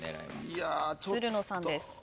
つるのさんです。